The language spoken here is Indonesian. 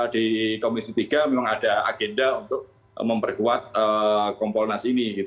di komisi tiga memang ada agenda untuk memperkuat kompolnas ini